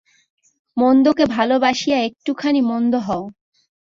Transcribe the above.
মন্দকে ভালোবাসিয়া একটুখানি মন্দ হও।